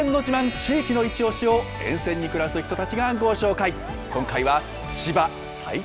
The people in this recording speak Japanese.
地域のいちオシを沿線に暮らす人たちがご紹介。